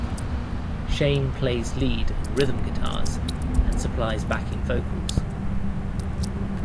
Shane plays lead and rhythm guitars, and supplies backing vocals.